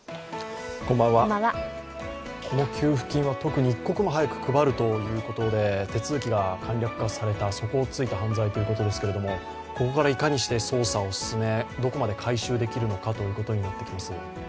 この給付金は特に一刻も早く配るということで手続きが簡略化された、そこを突いた犯罪ということですがここからいかにして捜査を進めどこまで回収できるのかということになってきます。